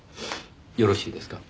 よろしいですか？